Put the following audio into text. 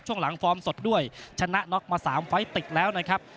ช่วงหลังฟอร์มสดด้วยชนะน็อกมา๓ไฟล์ติดแล้วนะครับ